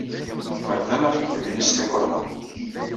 Rdan axeddam-nni s tukerḍa.